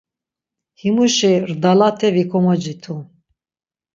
Himuşi rdalate vikomocitu.